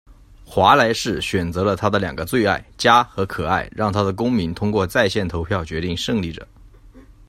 华莱士选择了他的两个最爱，“家”和“可爱”，让他的公民通过在线投票决定胜利者。